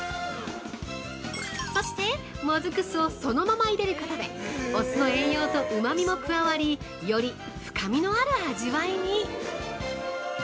そして、モズク酢をそのまま入れることでお酢の栄養とうまみも加わり、より深みのある味わいに！